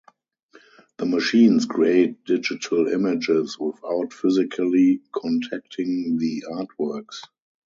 The machines create digital images without physically contacting the artworks.